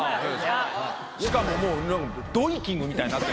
しかももうなんか「ドイキング」みたいになって。